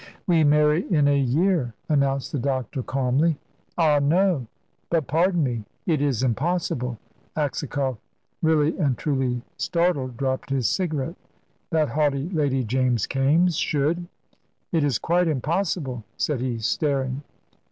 "We marry in a year," announced the doctor, calmly. "Ah, no; but pardon me, it is impossible!" Aksakoff, really and truly startled, dropped his cigarette. That haughty Lady James Kaimes should "It is quite impossible," said he, staring.